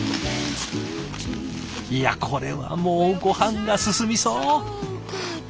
いやこれはもうごはんが進みそう！